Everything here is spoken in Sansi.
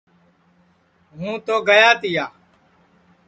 ہوں تو گیا تیا